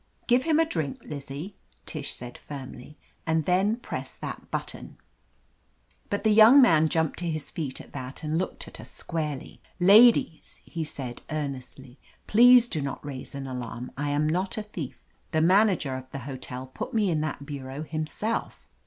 "Give him a drink, Lizzie," Tish said firmly, "and then press that button." 264 OF LETITIA CARBERRY But the young man jumped to his feet at that and looked at us squarely. "Ladies," he said earnestly, "please do not raise an alarm. I am not a thief. The man ager of the hotel put me in that bureau him self."